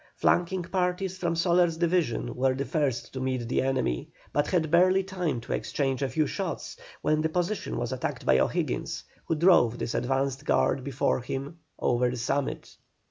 Flanking parties from Soler's division were the first to meet the enemy, but had barely time to exchange a few shots when the position was attacked by O'Higgins, who drove this advanced guard before him over the summit.